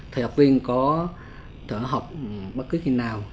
thì học viên có thể học bất cứ khi nào